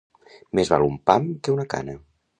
Més val un pam que una cana.